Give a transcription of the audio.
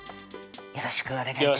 よろしくお願いします